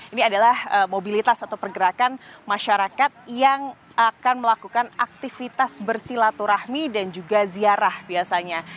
ini adalah mobilitas atau pergerakan masyarakat yang akan melakukan aktivitas bersilaturahmi dan juga ziarah biasanya